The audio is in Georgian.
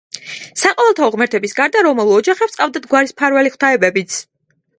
საყოველთაო ღმერთების გარდა რომაულ ოჯახებს ჰყავდათ გვარის მფარველი ღვთაებებიც.